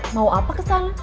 mau apa kesana